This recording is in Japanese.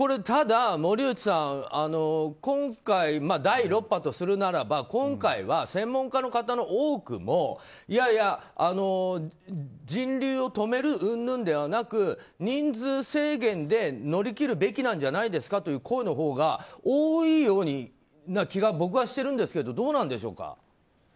ただ、森内さん、これは今回を第６波とするならば専門家の方の多くもいやいや、人流を止めるうんぬんではなく人数制限で乗り切るべきなんじゃないですかという声のほうが多いような気が僕はしてるんですけどどうでしょうか。